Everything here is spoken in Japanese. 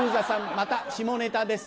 また下ネタです」。